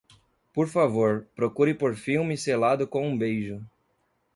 Por favor, procure por filme Selado com um Beijo.